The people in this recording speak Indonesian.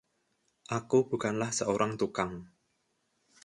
Aku bukanlah seorang tukang.